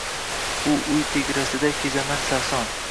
U uy tegrasida kezaman sarson.